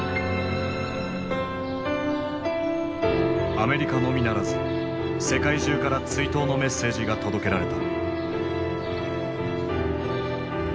アメリカのみならず世界中から追悼のメッセージが届けられた。